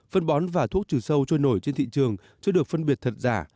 phân bón và thuốc trừ sâu trôi nổi trên thị trường chưa được phân biệt thật giả